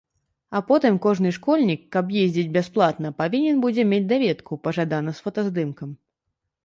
А потым кожны школьнік, каб ездзіць бясплатна, павінен будзе мець даведку, пажадана з фотаздымкам.